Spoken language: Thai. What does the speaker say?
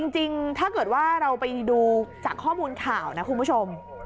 จริงถ้าเกิดว่าเราไปดูจากข้อมูลข่าวนะคุณผู้ชม